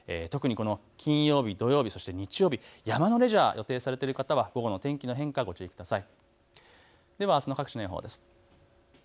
平野部でも一部、雷雨の可能性があるので特に金曜日、土曜日、そして日曜日、山のレジャーを予定されている方は午後の天気の変化、ご注意ください。